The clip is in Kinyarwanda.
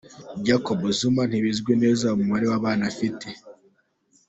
Jacob Zuma ntibizwi neza umubare w’abana afite